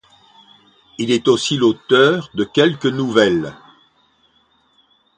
Il est aussi l'auteur de quelques nouvelles.